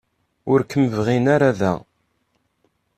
Ur kem-bɣin ara da.